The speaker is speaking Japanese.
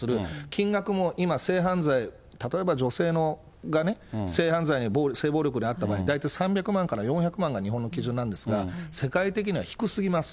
金額も今性犯罪、例えば女性が性犯罪に、性暴力に遭った場合に、大体３００万から４００万が日本の基準なんですが、世界的には低すぎます。